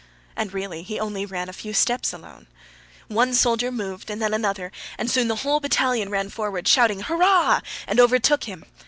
And really he only ran a few steps alone. One soldier moved and then another and soon the whole battalion ran forward shouting "Hurrah!" and overtook him.